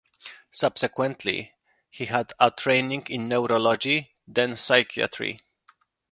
Subsequently he had a training in neurology, then psychiatry.